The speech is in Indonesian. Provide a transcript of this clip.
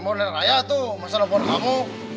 mau nelfon raya tuh masa nelfon kamu